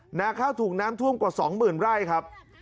หน้าข้าวถูกน้ำท่วมกว่า๒๐๐๐ไร่ครับ